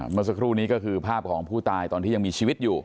เมื่อสักครู่นี้ก็คือภาพของผู้ตายตอนที่ยังมีชีวิตอยู่